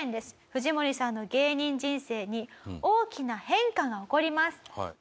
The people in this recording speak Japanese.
藤森さんの芸人人生に大きな変化が起こります。